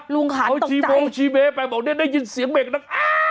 ลุงขาวน่ะโต๊ะใจโเรียวท์ชิเบ๊แปงพอจะได้ยินเสียงเม็กนัก